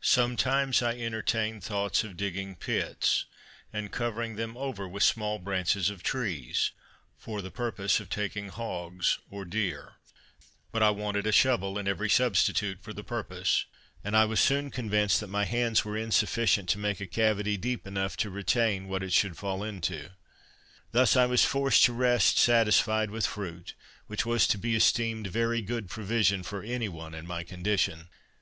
Sometimes I entertained thoughts of digging pits, and covering them over with small branches of trees, for the purpose of taking hogs or deer; but I wanted a shovel and every substitute for the purpose, and I was soon convinced that my hands were insufficient to make a cavity deep enough to retain what should fall into it. Thus I was forced to rest satisfied with fruit, which was to be esteemed very good provision for any one in my condition.